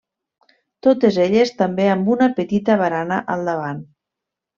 Totes elles també amb una petita barana al davant.